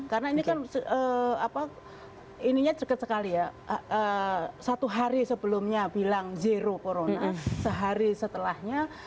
karena ini kan ininya dekat sekali ya satu hari sebelumnya bilang zero corona sehari setelahnya